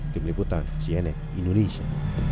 tim liputan cnx indonesia